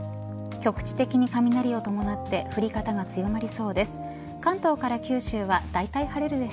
局地的に雷を伴って降り方が強まりそうです。